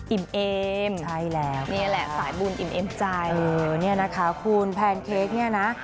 อิ่มเอมนี่แหละสายบุญอิ่มเอมใจคุณแพนเค้กเนี่ยนะ